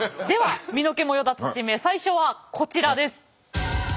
では身の毛もよだつ地名最初はこちらです。